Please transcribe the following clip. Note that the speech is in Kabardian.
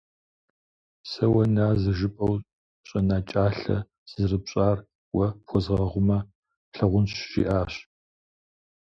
«Сэ уэ назэ жыпӏэу щӏэнэкӏалъэ сызэрыпщӏар уэ пхуэзгъэгъумэ плъагъунщ», — жиӏащ.